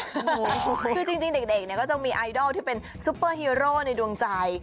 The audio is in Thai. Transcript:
คือจริงเด็กก็จะมีการซูเปอร์ฮีโร่ในดวงใจ